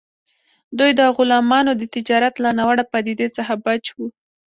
دوی د غلامانو د تجارت له ناوړه پدیدې څخه بچ وو.